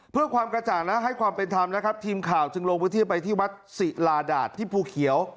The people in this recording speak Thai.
เพื่อความกระจ่างและให้ความเป็นธรรมนะครับทีมข่าวจึงลงพื้นที่ไปที่วัดศิลาดาตที่ภูเขียว